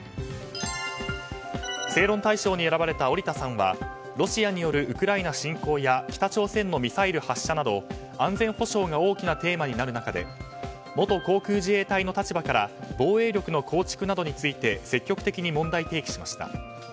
正論大賞に選ばれた織田さんはロシアによるウクライナ侵攻や北朝鮮のミサイル発射など安全保障が大きなテーマになる中で元航空自衛隊の立場から防衛力の構築などについて積極的に問題提起しました。